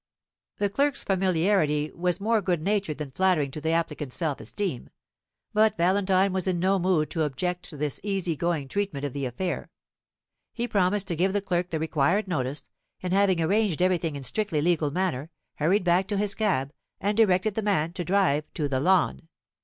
The clerk's familiarity was more good natured than flattering to the applicant's self esteem; but Valentine was in no mood to object to this easy going treatment of the affair. He promised to give the clerk the required notice; and having arranged everything in strictly legal manner, hurried back to his cab, and directed the man to drive to the Lawn.